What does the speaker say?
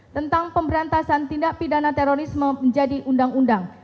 tentang pemberantasan tindak pidana terorisme menjadi undang undang